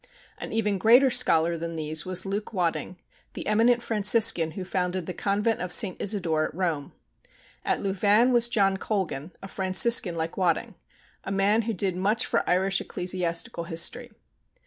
An even greater scholar than these was Luke Wadding, the eminent Franciscan who founded the convent of St. Isidore at Rome. At Louvain was John Colgan, a Franciscan like Wadding, a man who did much for Irish ecclesiastical history.